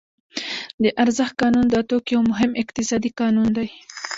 د ارزښت قانون د توکو یو مهم اقتصادي قانون دی